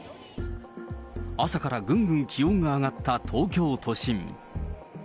朝からぐんぐん気温が上がった東京都心。